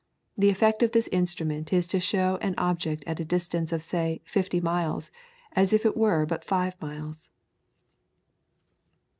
The effect of this instrument is to show an object at a distance of say fifty miles, as if it were but five miles."